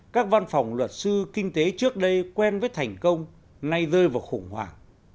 các văn phòng luật sư kinh tế trước đây quen với thành công nay rơi vào khủng hoảng